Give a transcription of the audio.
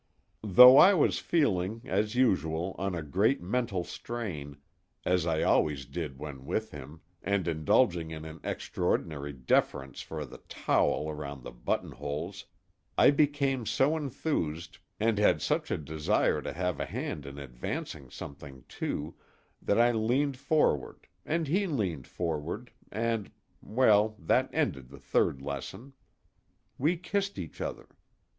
Though I was feeling, as usual, on a great mental strain as I always did when with him, and indulging in an extraordinary deference for the "towel" around the button holes, I became so enthused, and had such a desire to have a hand in advancing something, too, that I leaned forward, and he leaned forward, and well, that ended the third lesson. We kissed each other.